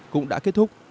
cũng đã kết thúc